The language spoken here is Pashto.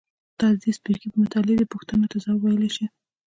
تاسې د دې څپرکي په مطالعې دې پوښتنو ته ځواب ویلای شئ.